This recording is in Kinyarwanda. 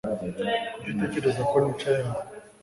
Kuki utekereza ko nicaye hano?